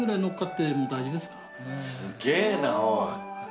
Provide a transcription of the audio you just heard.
すげぇなおい。